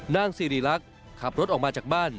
นางสิริรักษ์ขับรถออกมาจากบ้าน